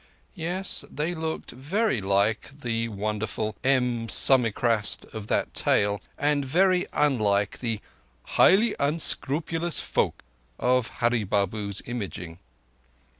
Yes, they looked very like the wonderful M. Sumichrast of that tale, and very unlike the "highly unscrupulous folk" of Hurree Babu's imagining.